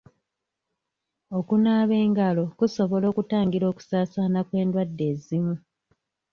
Okunaaba engalo kusobola okutangira okusaasaana kw'endwadde ezimu.